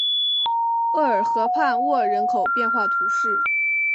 厄尔河畔沃人口变化图示